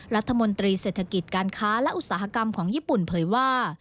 รัฐมนตรีเศรษฐกิจการค้าและอุตสาหกรรมของญี่ปุ่นเผยว่า